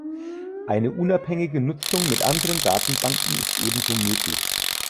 Eine unabhängige Nutzung mit anderen Datenbanken ist ebenso möglich.